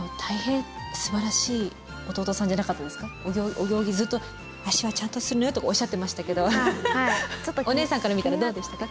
お行儀ずっと「足はちゃんとするのよ」とかおっしゃってましたけどお姉さんから見たらどうでしたか？